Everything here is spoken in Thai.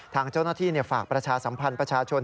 ทางเจ้าหน้าที่ฝากประชาสัมพันธ์ประชาชน